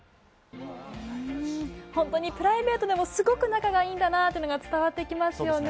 プライベートでもすごく仲がいいんだなというのが伝わってきますよね。